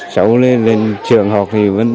cháu lên trường học